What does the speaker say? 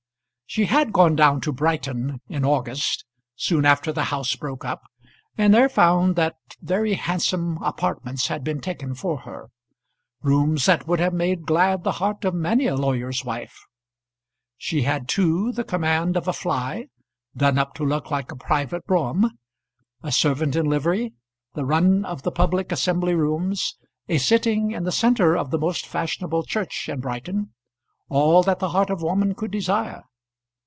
She had gone down to Brighton in August, soon after the House broke up, and there found that very handsome apartments had been taken for her rooms that would have made glad the heart of many a lawyer's wife. She had, too, the command of a fly, done up to look like a private brougham, a servant in livery, the run of the public assembly rooms, a sitting in the centre of the most fashionable church in Brighton all that the heart of woman could desire.